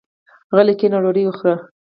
غلی کېنه ډوډۍ وخوره.